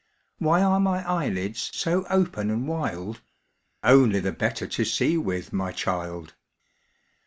"Why are my eyelids so open and wild?" Only the better to see with, my child!